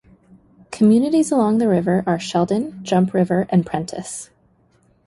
Communities along the river are Sheldon, Jump River, and Prentice.